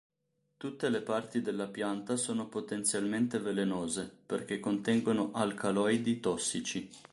Tutte le parti della pianta sono potenzialmente velenose, perché contengono alcaloidi tossici.